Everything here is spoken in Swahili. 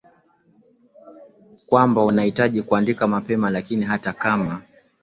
kwamba unahitaji kuandika mapema Lakini hata kama